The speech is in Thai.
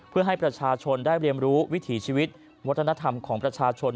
เพื่อให้ประชาชนได้เรียนรู้วิถีชีวิตวัฒนธรรมของประชาชน